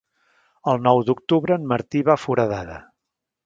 El nou d'octubre en Martí va a Foradada.